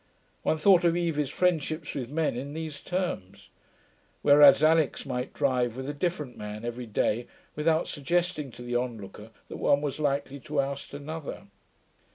One thought of Evie's friendships with men in these terms; whereas Alix might drive with a different man every day without suggesting to the onlooker that one was likely to oust another.